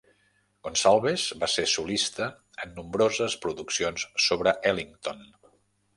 Gonsalves va ser solista en nombroses produccions sobre Ellington.